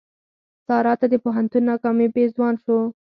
سارا ته د پوهنتون ناکامي پېزوان شو.